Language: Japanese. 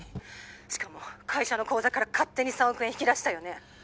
☎しかも会社の口座から勝手に３億円引き出したよね